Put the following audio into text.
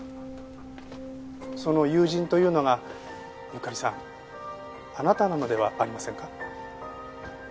その友人というのがゆかりさんあなたなのではありませんか？